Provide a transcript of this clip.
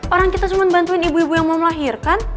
orang kita cuma bantuin ibu ibu yang mau melahirkan